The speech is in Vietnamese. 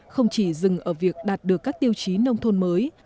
không chỉ dừng ở việc đạt được các tiêu chí nông thôn mới